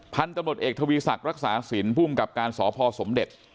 พันธุ์ตำรวจเอกทวีศักดิ์รักษาสินภูมิกับการสพสมเด็จ